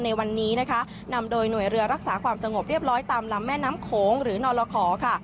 ในวันนี้นะคะนำโดยหน่วยเรือรักษาความสงบเรียบร้อยตามลำแม่น้ำโขงหรือนรขอค่ะ